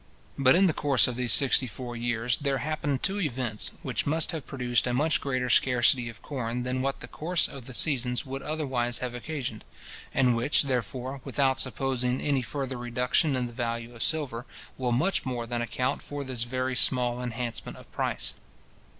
But, in the course of these sixty four years, there happened two events, which must have produced a much greater scarcity of corn than what the course of the seasons would otherwise have occasioned, and which, therefore, without supposing any further reduction in the value of silver, will much more than account for this very small enhancement of price.